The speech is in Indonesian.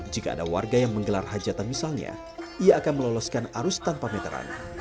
jika ada warga yang menggelar hajatan misalnya ia akan meloloskan arus tanpa meteran